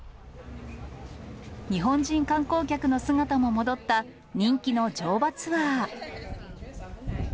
日本人観光客の姿も戻った、人気の乗馬ツアー。